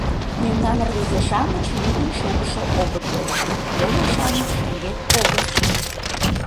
Мемнан рвезе-шамыч лӱдын шогышо огытыл, моло-шамыч шеҥгек огыт шыл.